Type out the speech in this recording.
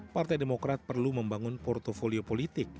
partai demokrat perlu membangun portofolio politik